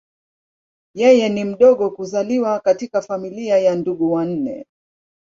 Yeye ni mdogo kuzaliwa katika familia ya ndugu wanne.